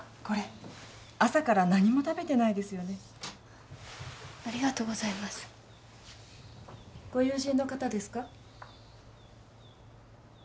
これ朝から何も食べてないですよねありがとうございますご友人の方ですか？